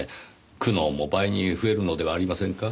苦悩も倍に増えるのではありませんか？